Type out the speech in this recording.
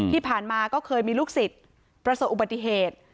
ที่ผ่านมาก็เคยมีลูกศิษย์ประสบอุบัติเหตุ